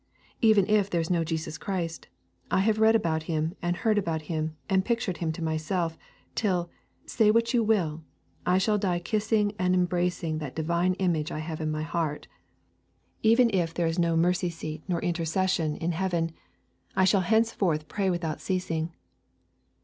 Even if there is no Jesus Christ, I have read about Him and heard about Him and pictured Him to myself, till, say what you will, I shall die kissing and embracing that Divine Image I have in my heart. Even if there is neither mercy seat nor intercession in heaven, I shall henceforth pray without ceasing.